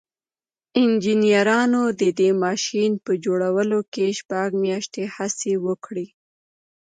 انجنيرانو د دې ماشين په جوړولو کې شپږ مياشتې هڅې وکړې.